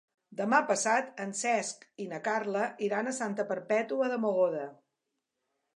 Demà passat en Cesc i na Carla iran a Santa Perpètua de Mogoda.